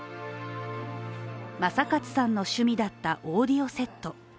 正勝さんの趣味だったオーディオセット。